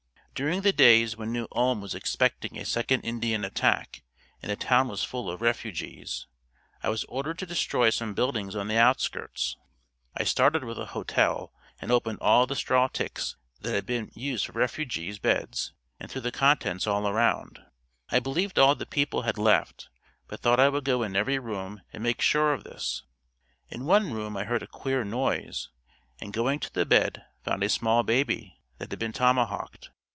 During the days when New Ulm was expecting a second Indian attack and the town was full of refugees, I was ordered to destroy some buildings on the outskirts. I started with a hotel and opened all the straw ticks that had been used for refugees beds and threw the contents all around. I believed all the people had left but thought I would go in every room and make sure of this. In one room I heard a queer noise and going to the bed found a small baby that had been tomahawked.